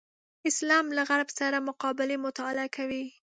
اسلام له غرب سره مقابلې مطالعه کوي.